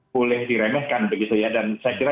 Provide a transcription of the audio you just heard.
boleh diremehkan begitu ya dan saya kira